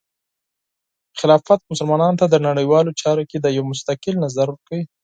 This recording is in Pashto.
خلافت مسلمانانو ته د نړیوالو چارو کې د یو مستقل نظر ورکوي.